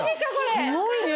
すごいね。